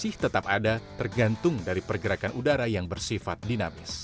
masih tetap ada tergantung dari pergerakan udara yang bersifat dinamis